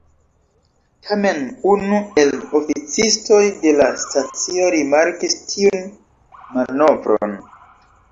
Tamen unu el oficistoj de la stacio rimarkis tiun manovron.